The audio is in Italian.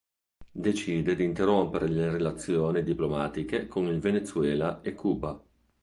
Decide di interrompere le relazioni diplomatiche con il Venezuela e Cuba.